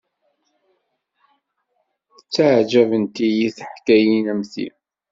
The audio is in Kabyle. Ttaɛjabent-iyi teḥkayin am ti.